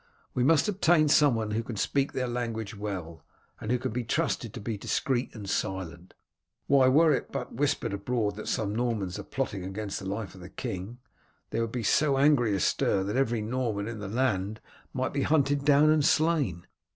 We must obtain someone who can speak their language well, and who can be trusted to be discreet and silent. Why, were it but whispered abroad that some Normans are plotting against the life of the king, there would be so angry a stir that every Norman in the land might be hunted down and slain.